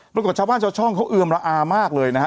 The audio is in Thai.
กับชาวบ้านชาวช่องเขาเอือมระอามากเลยนะฮะ